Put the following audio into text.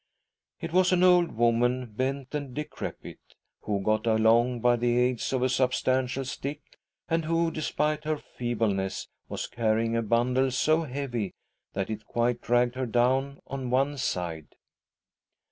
It was an old woman, bent and decrepit, who got along by the aid of a substantial stick, and who, despite her feebleness, was carrying a bundle so heavy that it quite dragged her down on one side.